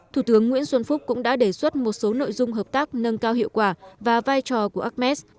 thủ tướng nguyễn xuân phúc cũng đã đề xuất một số nội dung hợp tác nâng cao hiệu quả và vai trò của ames